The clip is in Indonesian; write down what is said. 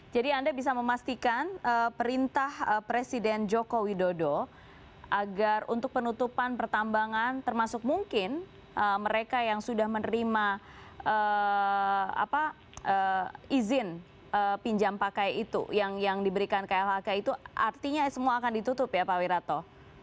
jadi anda bisa memastikan perintah presiden joko widodo agar untuk penutupan pertambangan termasuk mungkin mereka yang sudah menerima izin pinjam pakai itu yang diberikan klhk itu artinya semua akan ditutup ya pak wirato